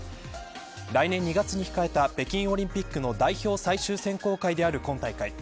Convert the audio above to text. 来年２月に控えた北京オリンピックの代表最終選考会である今大会。